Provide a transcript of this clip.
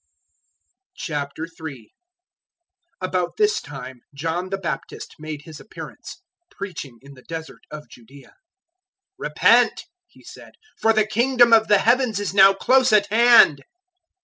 003:001 About this time John the Baptist made his appearance, preaching in the Desert of Judaea. 003:002 "Repent," he said, "for the Kingdom of the Heavens is now close at hand."